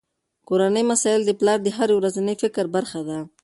کورني مسایل د پلار د هره ورځني فکر برخه ده.